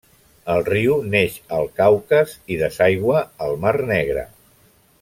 El riu neix al Caucas i desaigua al mar Negre.